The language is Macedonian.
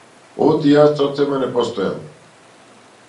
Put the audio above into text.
Оти јас сосема не постојам.